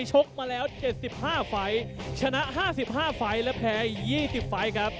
ชกมาแล้ว๗๕ฟ้ายชนะ๕๕ฟ้ายและแพ้๒๐ฟ้ายครับ